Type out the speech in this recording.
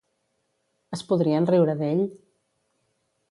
Es podrien riure d'ell?